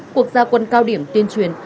quốc gia quân cao điểm tuyên truyền